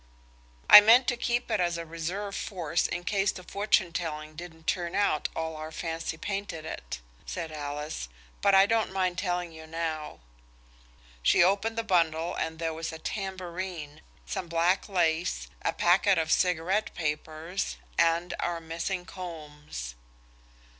"I meant to keep it as a reserve force in case the fortune telling didn't turn out all our fancy painted it," said Alice; "but I don't mind telling you now." She opened the bundle, and there was a tambourine, some black lace, a packet of cigarette papers, and our missing combs.